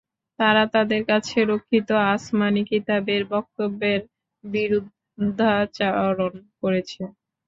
তারা তাদের কাছে রক্ষিত আসমানী কিতাবের বক্তব্যের বিরুদ্ধাচরণ করেছে।